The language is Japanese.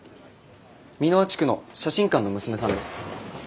美ノ和地区の写真館の娘さんです。